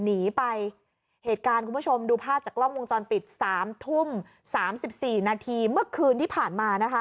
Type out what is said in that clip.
หนีไปเหตุการณ์คุณผู้ชมดูภาพจากกล้องวงจรปิดสามทุ่มสามสิบสี่นาทีเมื่อคืนที่ผ่านมานะคะ